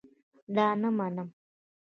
دا نه منم